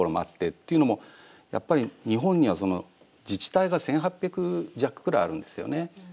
っていうのも日本には、自治体が１８００弱ぐらいあるんですよね。